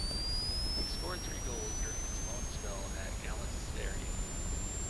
He scored three goals during his loan spell at Galatasaray.